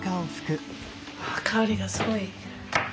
香りがすごい。